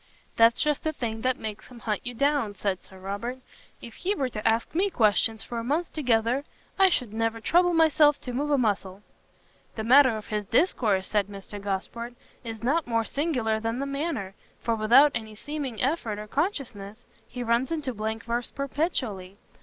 "That's just the thing that makes him hunt you down," said Sir Robert; "if he were to ask me questions for a month together, I should never trouble myself to move a muscle." "The matter of his discourse," said Mr Gosport, "is not more singular than the manner, for without any seeming effort or consciousness, he runs into blank verse perpetually.